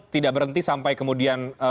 tidak berhenti sampai kemudian